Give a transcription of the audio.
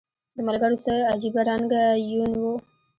د ملګرو څه عجیبه رنګه یون و